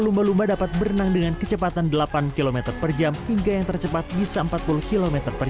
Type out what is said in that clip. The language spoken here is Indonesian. lumba lumba dapat berenang dengan kecepatan delapan km per jam hingga yang tercepat bisa empat puluh km per